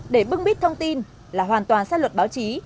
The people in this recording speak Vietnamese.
để bưng bít thông tin là hoàn toàn sai luật báo chí